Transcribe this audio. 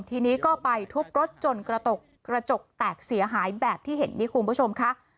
ทีนี้ก็ไปทุบรถจนกระจกแตกเสียหายแบบที่เห็นนี้คุณผู้ชมค่ะ